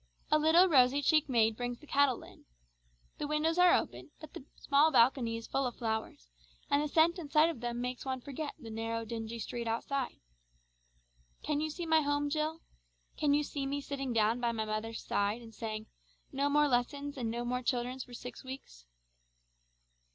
A little rosy cheeked maid brings the kettle in. The windows are open, but the small balcony is full of flowers, and the scent and sight of them makes one forget the narrow, dingy street outside. Can you see my home, Jill? Can you see me sitting down by my mother's side, and saying, 'No more lessons, and no more children for six weeks'?"